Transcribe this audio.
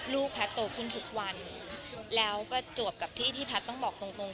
แพทย์โตขึ้นทุกวันแล้วก็จวบกับที่ที่แพทย์ต้องบอกตรงตรง